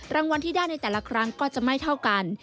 รางวัลที่ได้ในแต่ละครั้งก็จะไม่เท่ากัน